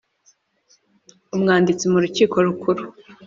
Umwanditsi mu Rukiko Rukuru